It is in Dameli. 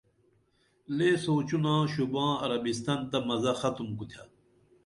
لے سوچونا شوباں عربستن تہ مزہ ختُم کُتھے